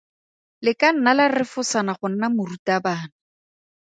Le ka nna la refosana go nna morutabana.